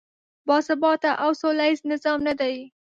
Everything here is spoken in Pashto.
باثباته او سولیز نظام نه دی.